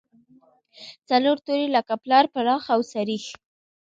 څلور توري لکه پلار، پراخ او سرېښ.